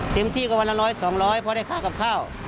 เต็มที่ก็วันละ๑๐๐๒๐๐พอได้ค่ากับข้าว